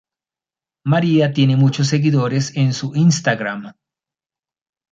María tiene muchos seguidores en su Instagram